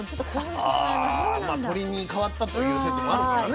まあ鳥に変わったという説もあるからね。